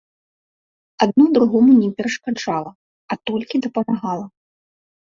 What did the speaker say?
Адно другому не перашкаджала, а толькі дапамагала.